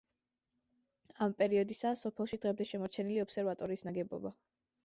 ამ პერიოდისაა სოფელში დღემდე შემორჩენილი ობსერვატორიის ნაგებობა.